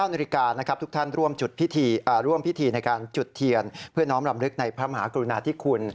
นาฬิกานะครับทุกท่านร่วมพิธีในการจุดเทียนเพื่อน้อมรำลึกในพระมหากรุณาธิคุณ